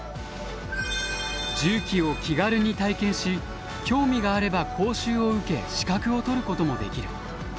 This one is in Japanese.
重機を気軽に体験し興味があれば講習を受け資格を取ることもできる。